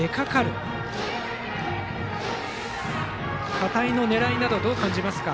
片井の狙いなどはどう感じますか。